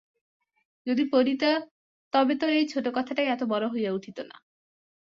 যদি পড়িত তবে তো এই ছোটো কথাটাই এত বড়ো হইয়া উঠিত না।